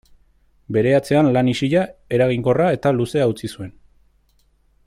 Bere atzean lan isila, eraginkorra eta luzea utzi zuen.